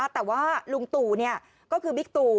แต่ว่าลุงตู่ก็คือบิ๊กตู่